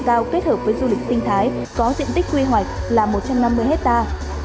cao kết hợp với du lịch sinh thái có diện tích quy hoạch là một trăm năm mươi hectare